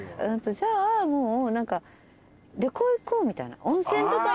じゃあもう旅行行こうみたいな。